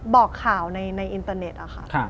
บอกข่าวในอินเตอร์เน็ตค่ะ